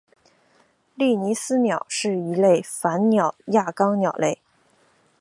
利尼斯鸟是一类反鸟亚纲鸟类。